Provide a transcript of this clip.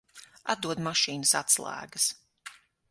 Atdod mašīnas atslēgas.